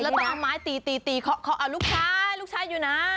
แล้วต้องเอาไม้ตีตีลูกชายลูกชายอยู่นะ